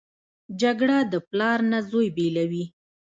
جګړه د پلار نه زوی بېلوي